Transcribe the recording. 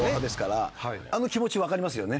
あの気持ち分かりますよね？